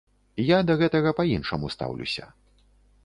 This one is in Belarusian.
Я да гэтага па-іншаму стаўлюся.